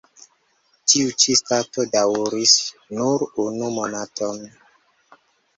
Tiu ĉi stato daŭris nur unu monaton.